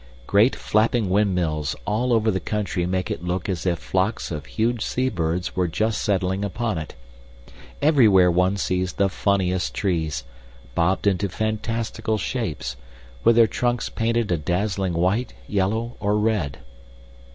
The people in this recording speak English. Great flapping windmills all over the country make it look as if flocks of huge sea birds were just settling upon it. Everywhere one sees the funniest trees, bobbed into fantastical shapes, with their trunks painted a dazzling white, yellow, or red.